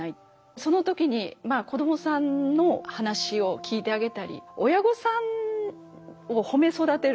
その時に子どもさんの話を聞いてあげたり親御さんを褒め育てる。